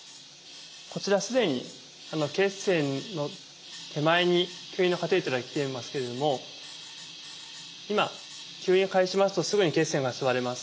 こちら既に血栓の手前に吸引のカテーテルが来ていますけれども今吸引を開始しますとすぐに血栓が吸われます。